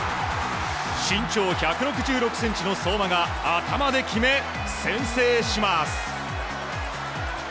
身長１６６ｃｍの相馬が頭で決め先制します。